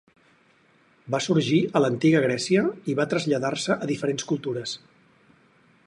Va sorgir a l'antiga Grècia i va traslladar-se a diferents cultures.